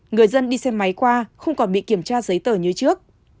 người dân đi xe máy qua không còn bị kiểm tra giấy tờ như trước